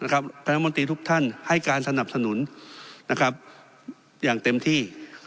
รัฐมนตรีทุกท่านให้การสนับสนุนอย่างเต็มที่